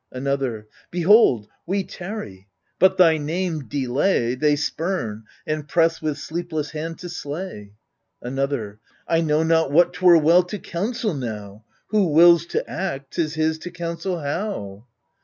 Another Behold, we tarry — but thy name. Delay, They spurn, and press with sleepless hand to slay. Another I know not what 'twere well to counsel now — Who wills to act, 'tis his to counsel how.